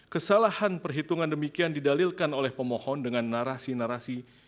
kesalahan perhitungan demikian didalilkan oleh pemohon dengan narasi narasi